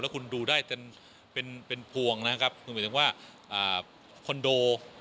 คุณดูได้เป็นพวงนะครับคุณหมายถึงว่าคอนโด